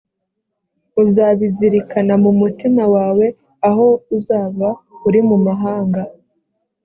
uzabizirikana mu mutima wawe aho uzaba uri mu mahanga